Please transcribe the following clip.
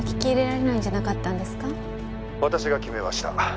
「私が決めました」